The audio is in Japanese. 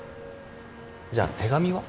じゃあ手紙は？